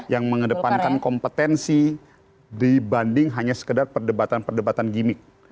yang mengedepankan kompetensi dibanding hanya sekedar perdebatan perdebatan gimmick